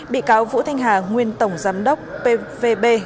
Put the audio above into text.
bị cáo vũ thanh hà nguyên tổng giám đốc pvb